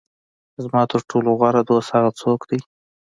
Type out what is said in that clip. زما تر ټولو غوره دوست هغه څوک دی.